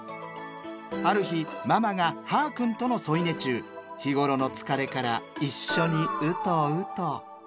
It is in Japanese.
ある日ママがはーくんとの添い寝中日頃の疲れから一緒にうとうと。